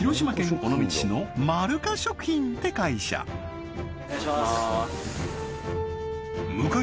お願いします